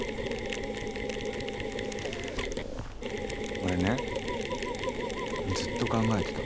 俺ねずっと考えてた。